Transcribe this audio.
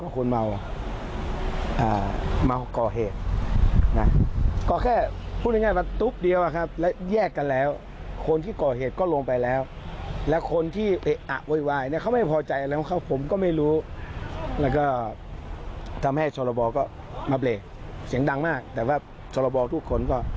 ผมไม่เห็นนะที่ว่ามีข่าวว่าชอลลาบอร์ถูกชก